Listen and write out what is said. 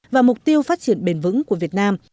và mục tiêu phát triển bền vững của việt nam